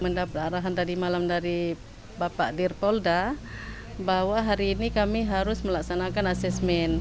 mendapat arahan tadi malam dari bapak dirpolda bahwa hari ini kami harus melaksanakan asesmen